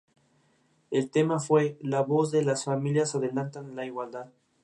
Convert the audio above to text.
En la actualidad, está considerado el hombre más rico del Perú.